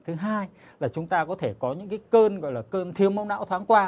thứ hai là chúng ta có thể có những cái cơn gọi là cơn thiếu mẫu não thoáng qua